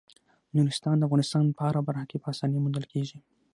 نورستان د افغانستان په هره برخه کې په اسانۍ موندل کېږي.